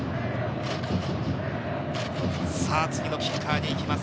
次のキッカーに行きます。